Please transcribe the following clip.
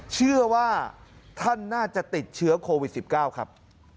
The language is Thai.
เชื่อว่าท่านน่าจะติดเชื้อโควิด๑๙ครับ